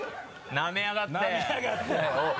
なめやがって